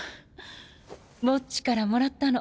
ボッジからもらったの。